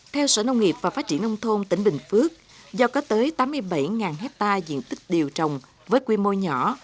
theo sở nông nghiệp và phát triển nông thôn tỉnh bình phước do có tới tám mươi bảy hectare diện tích điều trồng với quy mô nhỏ